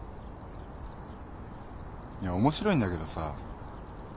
いや面白いんだけどさ。